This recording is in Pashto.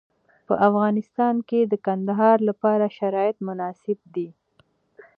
په افغانستان کې د کندهار لپاره شرایط مناسب دي.